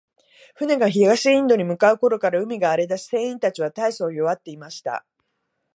船が東インドに向う頃から、海が荒れだし、船員たちは大そう弱っていました。